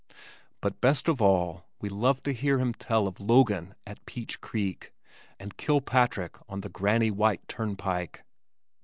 But best of all we loved to hear him tell of "Logan at Peach Tree Creek," and "Kilpatrick on the Granny White Turnpike."